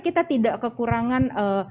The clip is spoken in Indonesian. kita tidak kekurangan